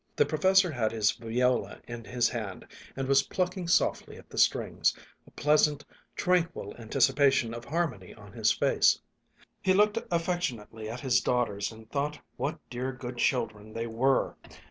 The professor had his viola in his hand and was plucking softly at the strings, a pleasant, tranquil anticipation of harmony on his face. He looked affectionately at his daughters and thought what dear good children they were.